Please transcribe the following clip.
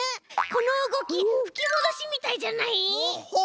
このうごきふきもどしみたいじゃない？